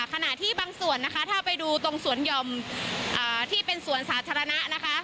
ขณะที่บางส่วนนะคะถ้าไปดูตรงสวนหย่อมที่เป็นสวนสาธารณะนะคะ